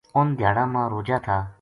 اُنھ دھیاڑاں ما روجا تھا